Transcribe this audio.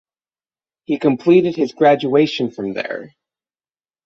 He completed his graduation from there.